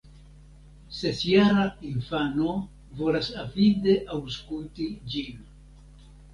Sesjara infano volas avide aŭskulti ĝin.